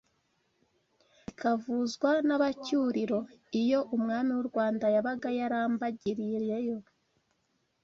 zikavuzwa n’Abacyuriro. Iyo umwami w’u Rwanda yabaga yarambagiriyeyo